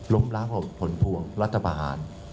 ล้มล้างหลอกผลพวงรัฐภาภาร